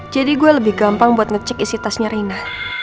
jadi gue lebih gampang buat ngecek isi tasnya reina